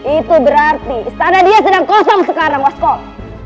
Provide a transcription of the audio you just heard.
itu berarti istana dia sedang kosong sekarang waskop